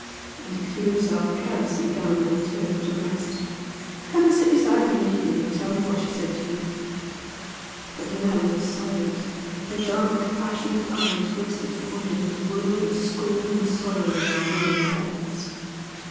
And he threw himself carelessly down on the turf to rest "Come and sit beside me here and tell me what she said to you!" But Manella was silent. Her dark, passionate eyes rested upon him with a world of scorn and sorrow in their glowing depths.